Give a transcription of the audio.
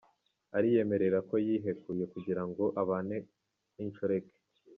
Ariyemerera ko yihekuye kugira ngo abane n’inshoreke